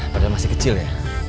padahal masih kecil ya